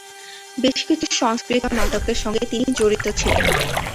বেশ কিছু সংস্কৃত নাটকের সঙ্গে তিনি জড়িত ছিলেন।